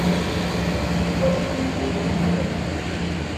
Yuɣal-d unedbal n ugraw.